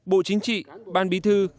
bộ chính trị ban bí thư